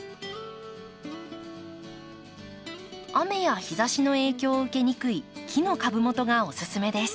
雨や日ざしの影響を受けにくい木の株元がおすすめです。